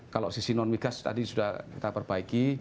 kalau sisi non migas tadi sudah kita perbaiki